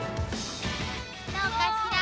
どうかしら？